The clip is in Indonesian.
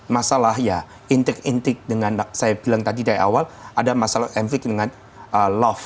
masalah ya intik intik dengan saya bilang tadi dari awal ada masalah efek dengan love